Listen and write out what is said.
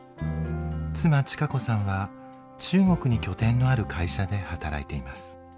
妻千賀子さんは中国に拠点のある会社で働いています。